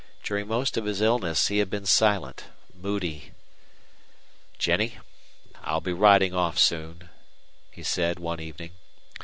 During most of his illness he had been silent, moody. "Jennie, I'll be riding off soon," he said, one evening.